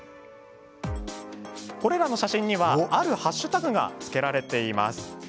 これらの写真にはあるハッシュタグが付けられています。